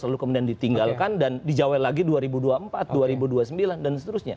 lalu kemudian ditinggalkan dan dijawel lagi dua ribu dua puluh empat dua ribu dua puluh sembilan dan seterusnya